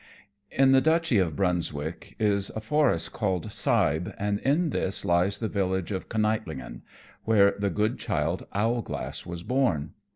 _ In the Duchy of Brunswick is a forest called Seib, and in this lies the village of Kneitlingen, where the good child Owlglass was born.